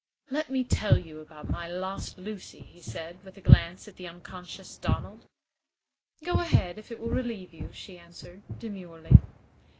"Let me tell you about my lost Lucy," he said, with a glance at the unconscious Donald. "Go ahead, if it will relieve you," she answered, demurely.